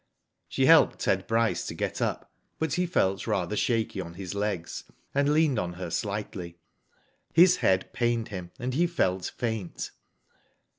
She helped Ted Bryce to get up, but he felt rather shaky on his legs, and leaned on her slightly. His head pained him and he felt faint.